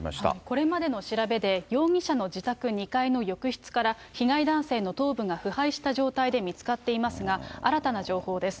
これまでの調べで、容疑者の自宅２階の浴室から被害男性の頭部が腐敗した状態で見つかっていますが、新たな情報です。